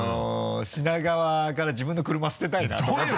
品川から自分の車捨てたいなと思って。